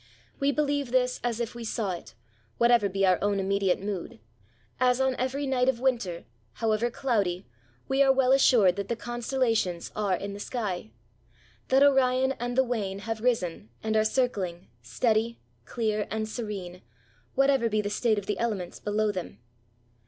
We believe this as if we saw it, whatever be our own DEATH TO THE INVALID. 125 immediate mood, as, on every night of winter, however cloudy, we are well assured that the con stellations are in the sky, — that Orion and the Wain have risen and are circling, steady, clear and serene, whatever be the state of the elements below them.